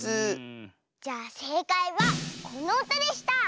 じゃあせいかいはこのうたでした。